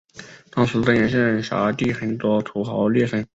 当时真源县辖地很多土豪劣绅。